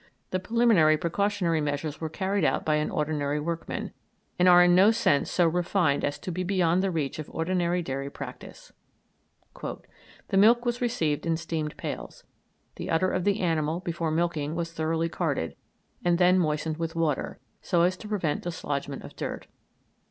The preliminary precautionary measures were carried out by an ordinary workman, and are in no sense so refined as to be beyond the reach of ordinary daily practice. "The milk was received in steamed pails, the udder of the animal, before milking, was thoroughly carded, and then moistened with water, so as to prevent dislodgment of dirt.